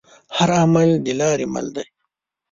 هر عمل دلارې مل دی.